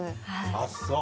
あっそう。